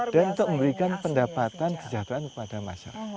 dan untuk memberikan pendapatan kesejahteraan kepada masyarakat